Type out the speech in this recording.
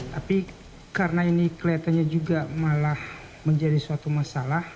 tapi karena ini kelihatannya juga malah menjadi suatu masalah